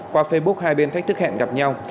qua facebook hai bên thách thức hẹn gặp nhau